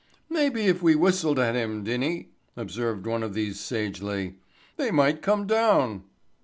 "Maybe if we whistled at him, Dinny," observed one of these sagely, "they might come down."